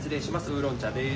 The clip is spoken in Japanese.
ウーロン茶です。